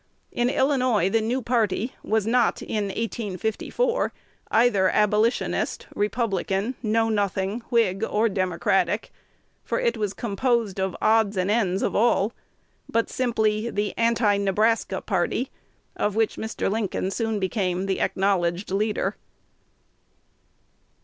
In Illinois the new party was not (in 1854) either Abolitionist, Republican, Know Nothing, Whig, or Democratic, for it was composed of odds and ends of all; but simply the Anti Nebraska party, of which Mr. Lincoln soon became the acknowledged leader.